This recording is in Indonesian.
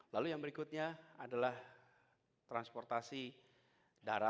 lalu yang berikutnya adalah transportasi darat